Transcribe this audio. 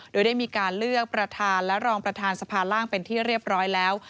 โดยได้มีการเลือกประธานและรองประธานสภาล่างเป็นที่เรียบร้อยแล้ว